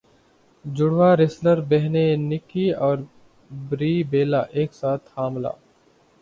جڑواں wrestler بہنیں Nikki اور بری بیلا ایک ساتھ حاملہ